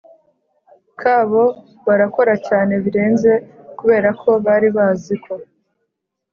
kabo barakora cyane birenze kuberako bari baziko